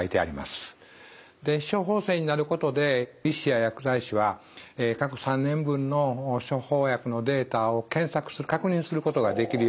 電子処方箋になることで医師や薬剤師は過去３年分の処方薬のデータを検索する確認することができるようになります。